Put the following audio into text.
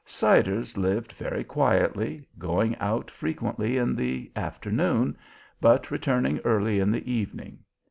Siders lived very quietly, going out frequently in the afternoon, but returning early in the evening.